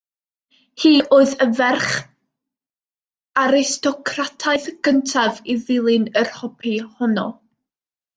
Hi oedd y ferch aristocrataidd gyntaf i ddilyn yr hobi honno.